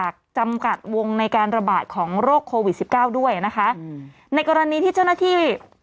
โควิด๑๙ด้วยนะคะในกรณีที่เจ้าหน้าที่